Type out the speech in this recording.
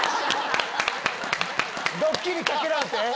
ドッキリかけられて！